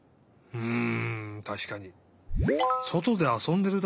うん。